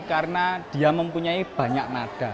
karena dia mempunyai banyak nada